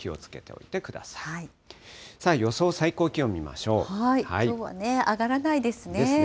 きょうはね、上がらないですね。ですね。